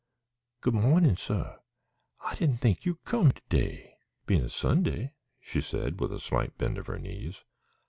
"Good mawnin', suh! I didn' think you'd come to day, bein' a Sunday," she said, with a slight bend of her knees.